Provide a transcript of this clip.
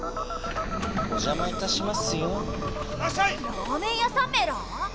ラーメンやさんメラ？